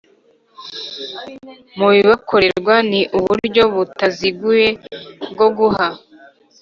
mu bibakorerwa Ni uburyo butaziguye bwo guha